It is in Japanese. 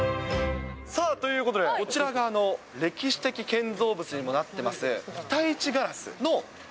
さあ、ということで、こちらが歴史的建造物にもなってます、えー！